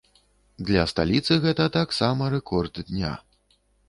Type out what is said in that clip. Для сталіцы гэта таксама рэкорд дня.